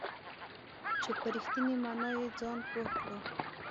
چې په رښتینې معنا یې ځان پوه کړو .